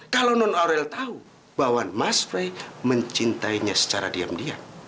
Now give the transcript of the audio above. kalau nenek aurel tahu bahwa mas pray mencintainya secara diam diam